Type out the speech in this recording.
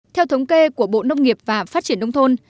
theo thống kê của bộ nông nghiệp và phát triển nông thôn